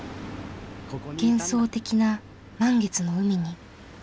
幻想的な満月の海に。